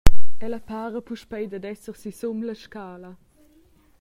Ella para puspei dad esser sisum la scala.